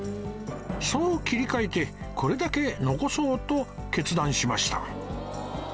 そう切り替えてこれだけ残そうと決断しました